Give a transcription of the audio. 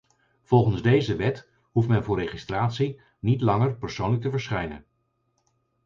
Volgens deze wet hoeft men voor registratie niet langer persoonlijk te verschijnen.